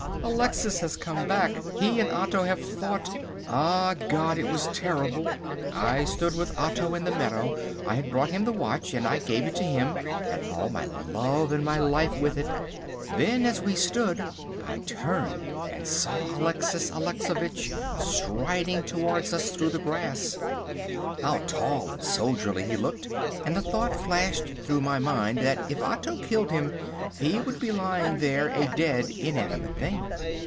Alexis has come back. He and Otto have fought. Ah God! it has been terrible. I stood with Otto in the meadow. I had brought him the watch, and I gave it to him, and all my love and my life with it. Then, as we stood, I turned and saw Alexis Alexovitch striding towards us through the grass. How tall and soldierly he looked! And the thought flashed through my mind that if Otto killed him he would be lying there a dead, inanimate thing.